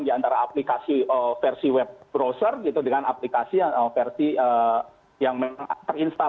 di antara aplikasi versi web browser dengan aplikasi yang terinstall